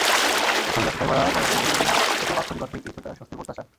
আসলে ব্যস্ততায় ভরা পরবাসী জীবনে এসব আক্ষরিক অর্থেই কিছুটা স্বস্তির প্রত্যাশা।